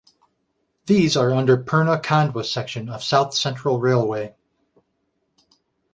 These are under Purna - Khandwa Section of South Central Railway.